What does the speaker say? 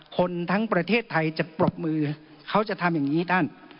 คนทั้งประเทศไทยจะปรบมือเขาจะทำอย่างนี้ท่าน